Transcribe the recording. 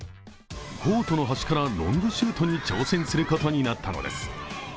コートの端からロングシュートに挑戦することになったのです。